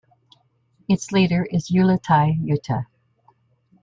Its leader is Uliti Uata.